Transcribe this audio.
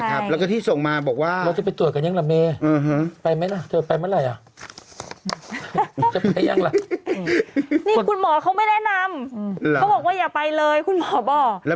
เขาบอกว่าอย่าไปเลยคุณหมอบอก